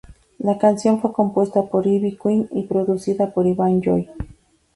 La canción fue compuesta por Ivy Queen y producida por Iván Joy.